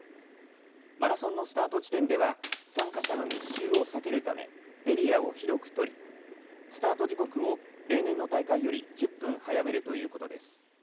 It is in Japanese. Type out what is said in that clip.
マラソンのスタート地点では参加者の密集を避けるためエリアを広く取り、スタート時刻を例年の大会より１０分早めるということです。